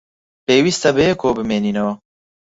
پێویستە بەیەکەوە بمێنینەوە.